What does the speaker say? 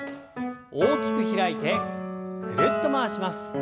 大きく開いてぐるっと回します。